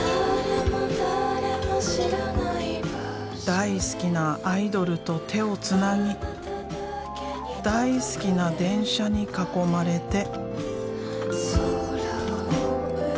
大好きなアイドルと手をつなぎ大好きな電車に囲まれて。